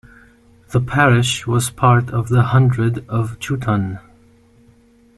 The parish was part of the hundred of Chewton.